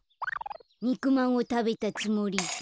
にくまんをたべたつもりで。